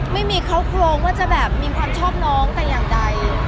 ไม่มีเขาโครงว่าจะแบบมีความชอบน้องแต่อย่างใด